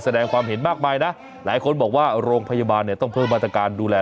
แสดงความเห็นมากมายนะหลายคนบอกว่าโรงพยาบาลเนี่ยต้องเพิ่มมาตรการดูแล